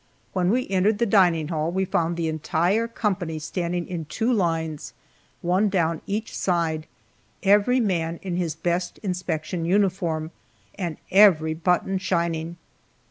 When we entered the dining hall we found the entire company standing in two lines, one down each side, every man in his best inspection uniform, and every button shining.